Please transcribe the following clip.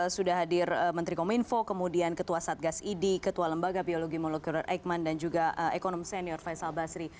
sudah hadir menteri kominfo kemudian ketua satgas idi ketua lembaga biologi molekuler eikman dan juga ekonom senior faisal basri